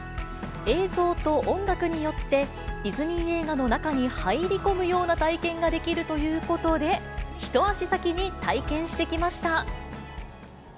映像と音楽によってディズニー映画の中に入り込むような体験ができるということで、一足先に体験してきました。